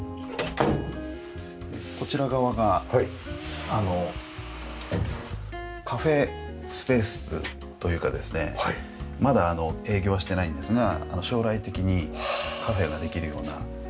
こちら側がカフェスペースというかですねまだ営業はしてないんですが将来的にカフェができるような準備している場所です。